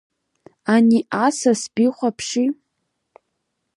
Ани асас бихәаԥши!